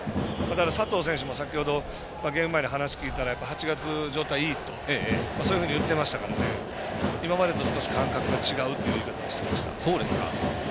佐藤選手も、先ほどゲーム前に話、聞いたら８月、状態いいとそういうふうに言っていましたから今までと感覚が違うという言い方をしていました。